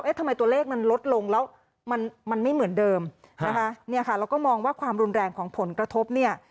ทำไมตัวเลขมันลดลงแล้วมันมันไม่เหมือนเดิมนะคะเนี่ยค่ะแล้วก็มองว่าความรุนแรงของผลกระทบเนี่ย